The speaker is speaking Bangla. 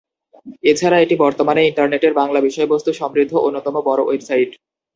এছাড়া এটি বর্তমানে ইন্টারনেটের বাংলা বিষয়বস্তু সমৃদ্ধ অন্যতম বড়ো ওয়েবসাইট।